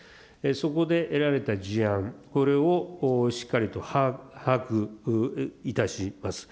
そこで得られた事案、これをしっかりと把握いたします。